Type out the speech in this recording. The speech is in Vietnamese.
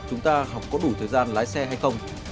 chúng ta học có đủ thời gian lái xe hay không